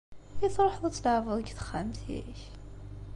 I tṛuḥeḍ ad tleɛbeḍ deg texxamt-ik?